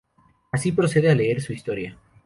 Así procede a leer su historia.